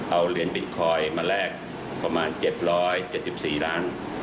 เอาเหรียญบิตคอยน์มาแลกประมาณ๗๗๔ล้าน